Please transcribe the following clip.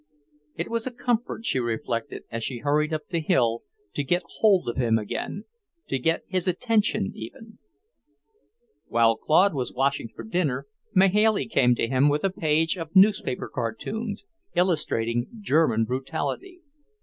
It was a comfort, she reflected, as she hurried up the hill, to get hold of him again, to get his attention, even. While Claude was washing for dinner, Mahailey came to him with a page of newspaper cartoons, illustrating German brutality.